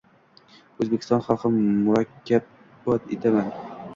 Oʻzbekiston xalqini muborakbod etaman.